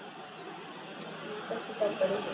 مين سڀ ڪتاب پڙهي ڇڏيا.